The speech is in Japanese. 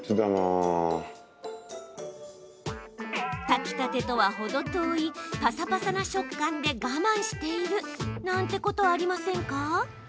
炊きたてとは程遠いパサパサな食感で我慢しているなんてことありませんか？